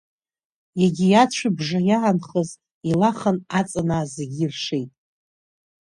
Егьи ацәыбжа иаанхаз, илаханы аҵанаа зегьы иршеит.